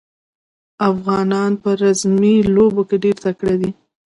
افغانان په رزمي لوبو کې ډېر تکړه دي.